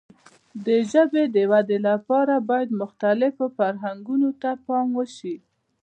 د ژبې د وده لپاره باید مختلفو فرهنګونو ته هم پام وشي.